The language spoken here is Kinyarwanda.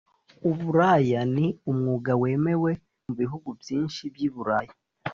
Uburaya ni umwuga wemewe mu bihugu byinshi by’ iburayi